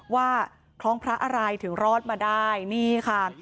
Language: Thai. คล้องพระอะไรถึงรอดมาได้นี่ค่ะ